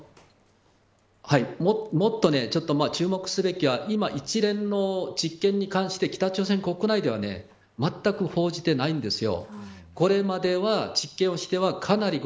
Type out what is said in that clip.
もっと注目すべきは今、一連の実験に関して北朝鮮国内では全く報じていないんです。